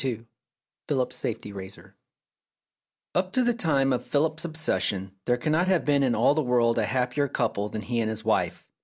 287 PHILIP'S SAFETY RAZOR Up to the time of Philip's obsession there cannot have been in all the world a happier couple than he and his wife.